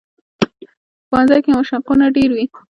ښوونځی کې مشقونه ډېر وي